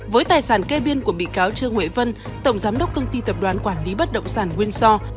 với tài sản kê biên của bị cáo trương huệ vân tổng giám đốc công ty tập đoàn quản lý bất động sản nguyên so